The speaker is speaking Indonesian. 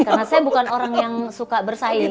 karena saya bukan orang yang suka bersaing